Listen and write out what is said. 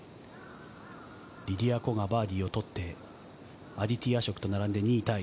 リディア・コがバーディーを取って、アディティ・アショクと並んで２位タイ。